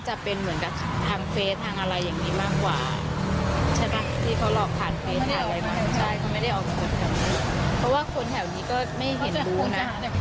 ใช่เขาไม่ได้ออกจากแถวนี้เพราะว่าคนแถวนี้ก็ไม่เห็นรู้นะ